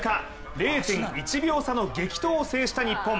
０．１秒差の激闘を制した日本。